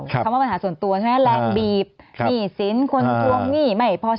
คำว่าปัญหาส่วนตัวใช่จ้ะมันแหลงบีบหงีศิลป์คนทรงนี่ไหม